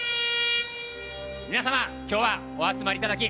皆様、今日はお集まりいただき